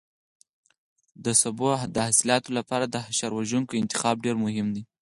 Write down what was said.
د سبو د حاصلاتو لپاره د حشره وژونکو انتخاب ډېر مهم دی.